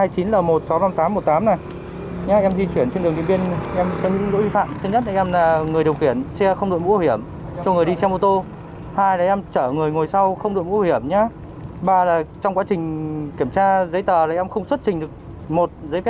các hành vi như không đổi mũ bảo hiểm đưa về các chốt kiểm tra xử lý như thế này